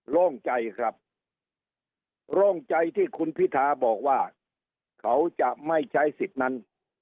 โล่งใจครับโล่งใจที่คุณพิธาบอกว่าเขาจะไม่ใช้สิทธิ์นั้น